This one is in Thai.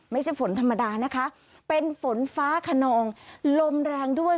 ไม่ใช่ฝนธรรมดานะคะเป็นฝนฟ้าขนองลมแรงด้วย